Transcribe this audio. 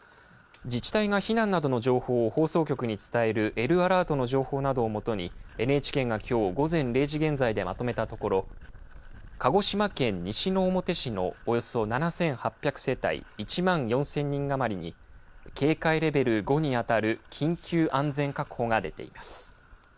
自治体が避難などの情報を放送局に伝えるＬアラートの情報などを基にＮＨＫがきょう午前０時現在でまとめたところ鹿児島県西之表市のおよそ７８００世帯１万４０００人余りに警戒レベル５に当たる緊急安全確保が出ています。